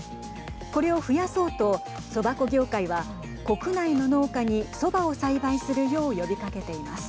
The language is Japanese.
これを増やそうと、そば粉業界は国内の農家に、そばを栽培するよう呼びかけています。